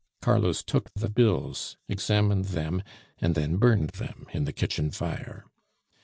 Carlos took the bills, examined them, and then burned them in the kitchen fire.